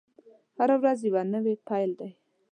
هره ورځ یوه نوې پیل دی.